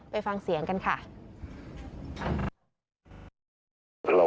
ไปฟังเสียงกันค่ะ